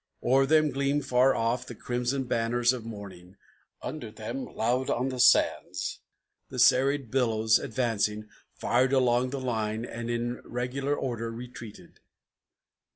Over them gleamed far off the crimson banners of morning; Under them loud on the sands, the serried billows, advancing, Fired along the line, and in regular order retreated.